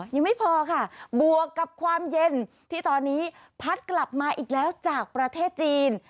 ยังไม่พอค่ะบวกกับความเย็นที่ตอนนี้พัดกลับมาอีกแล้วจากประเทศจีน